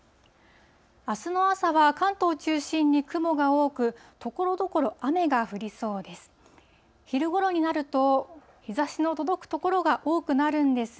あすの朝は関東を中心に雲が多く、ところどころ、雨が降りそうです。